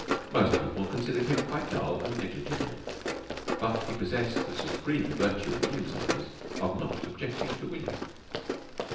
Most people considered him quite dull and negligible, but he possessed the supreme virtue in William's eyes of not objecting to William.